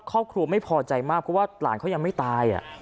ครอบครัวไม่พอใจมากเพราะว่าหลานเขายังไม่ตาย